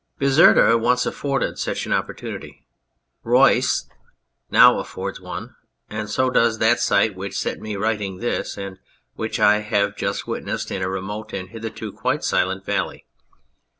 Bizerta once afforded such an opportunity, Rosyth now affords one, and so does that sight which set me writing this, and which I have just witnessed in a remote and hitherto quite silent valley.